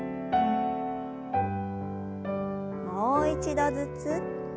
もう一度ずつ。